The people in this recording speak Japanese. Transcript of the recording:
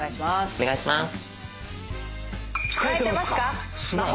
お願いします。